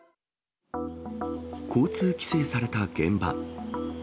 交通規制された現場。